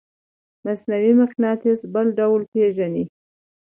مصنوعي مقناطیس بل ډول پیژنئ؟